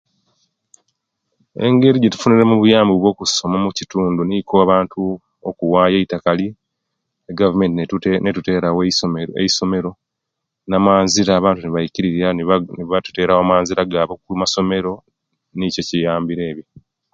Engeri ejetufuniremu obuyambi obwokusoma mukitundu nikwo abantu okuwayo eitakali egavumenti netu netuterawo eisomero namanzira abantu nibaikirirya nibatuterawo amanzira agaba okwisomero nicho ebiyambire ebyo